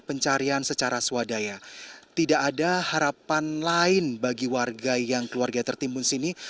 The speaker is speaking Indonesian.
pencarian secara swadaya tidak ada harapan lain bagi warga yang keluarga tertimbun sini